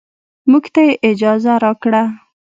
موږ ته يې اجازه راکړه.